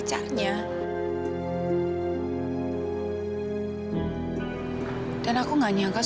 gak ada apa apa